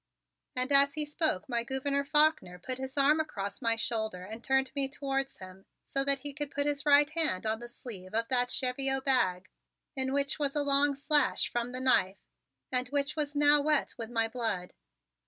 And as he spoke, my Gouverneur Faulkner put his arm across my shoulder and turned me towards him so that he could put his right hand on the sleeve of that cheviot bag in which was a long slash from the knife and which was now wet with my blood.